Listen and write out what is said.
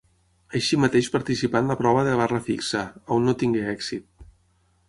Així mateix participà en la prova de barra fixa, on no tingué èxit.